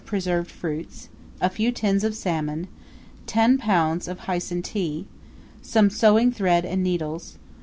preserved fruits A few tins of salmon, 10 lbs. Hyson tea. Some sewing thread and needles.